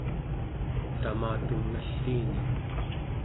tamatum nalliini